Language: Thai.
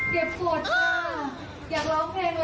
เก็บกดค่ะเนี้ยเอาชุดนักร้องมาใส่นะคะเก็บกดค่ะ